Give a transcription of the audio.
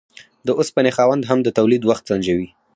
د اوسپنې خاوند هم د تولید وخت سنجوي.